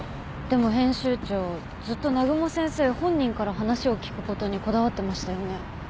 でも編集長ずっと南雲先生本人から話を聞くことにこだわってましたよね？